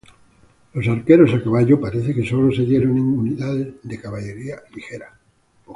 Los arqueros a caballo parece que sólo se dieron en unidades de caballería ligera.